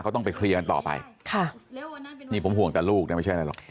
ต้องไปเคลียร์กันต่อไปค่ะนี่ผมห่วงแต่ลูกนะไม่ใช่อะไรหรอก